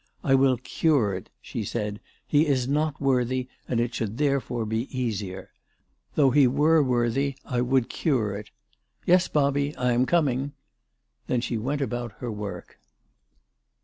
" I will cure it," she said. " He is not worthy, and it should therefore be easier. Though he were worthy, I would cure it. Yes, Bobby, I am coming." Then she went about her work.